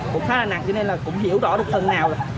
cũng khá là nặng cho nên là cũng hiểu rõ được phần nào